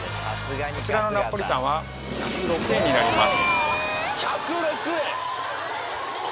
こちらのナポリタンは１０６円になります。